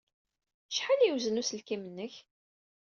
Acḥal ay yewzen uselkim-nnek?